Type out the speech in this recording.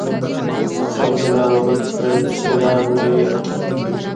خلکو لار ورکړه چې راغله و یې کتل.